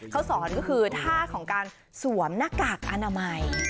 เขาสอนก็คือท่าของการสวมหน้ากากอนามัย